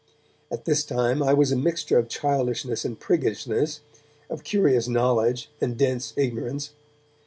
At this time I was a mixture of childishness and priggishness, of curious knowledge and dense ignorance.